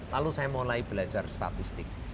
lalu saya mulai belajar statistik